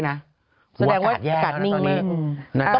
หัวหักอัดแย่นะตอนนี้แสดงว่ากัดแย่นิ่งมาก